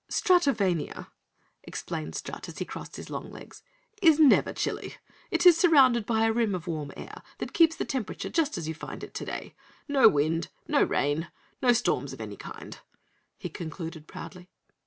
"Stratovania," explained Strut as he crossed his long legs, "is never chilly. It is surrounded by a rim of warm air that keeps the temperature just as you find it today. No wind, no rain, no storms of any kind," he concluded, proudly.